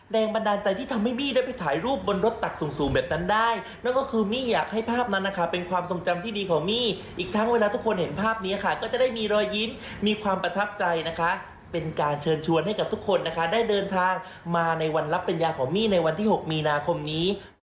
แหมมุมถ่ายคลิปส่งมาให้เราสักสวยงามขนาดนี้